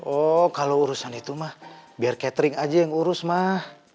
oh kalau urusan itu mah biar catering aja yang urus mah